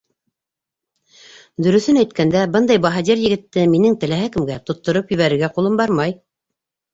Дөрөҫөн әйткәндә, бындай баһадир егетте минең теләһә кемгә тоттороп ебәрергә ҡулым бармай.